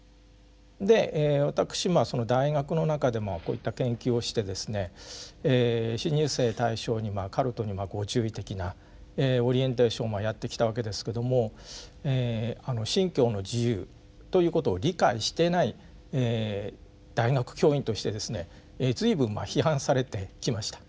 で私大学の中でこういった研究をしてですね新入生対象にカルトにご注意的なオリエンテーションやってきたわけですけども「信教の自由」ということを理解してない大学教員としてですね随分まあ批判されてきました。